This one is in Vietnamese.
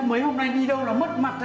mấy hôm nay đi đâu là mất mặt